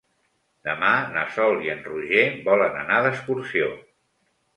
Demà na Sol i en Roger volen anar d'excursió.